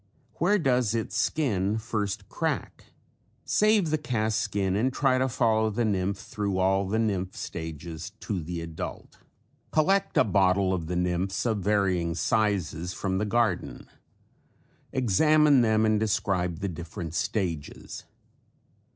Where does its skin first crack? Save the cast skin and try to follow the nymph thru all the nymph stages to the adult. Collect a bottle of the nymphs of varying sizes from the garden. Examine them and describe the different stages.